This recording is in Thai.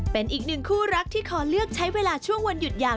เป็นอีกหนึ่งคู่รักที่ขอเลือกใช้เวลาช่วงวันหยุดยาว